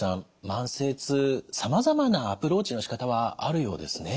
慢性痛さまざまなアプローチのしかたはあるようですね。